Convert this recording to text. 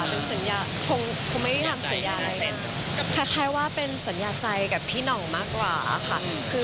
เป็นสัญญาคงไม่ได้ทำสัญญาอะไรแต่คล้ายว่าเป็นสัญญาใจกับพี่หน่องมากกว่าค่ะ